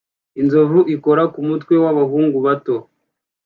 Inzovu ikora ku mutwe w'abahungu bato